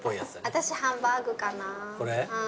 私ハンバーグかな。